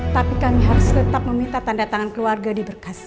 tapi kami harus tetap meminta tanda tangan keluarga diberkas